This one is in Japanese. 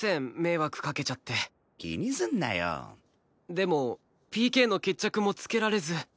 でもＰＫの決着もつけられず。